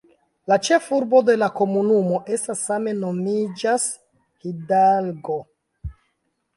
La ĉefurbo de la komunumo estas same nomiĝas "Hidalgo".